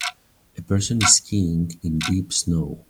A person is skiing in deep snow.